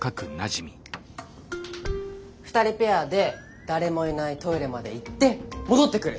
２人ペアで誰もいないトイレまで行って戻ってくる。